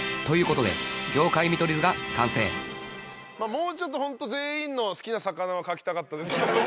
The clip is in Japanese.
もうちょっと本当全員の好きな魚を書きたかったですけど。